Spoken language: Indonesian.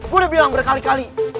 udah bilang berkali kali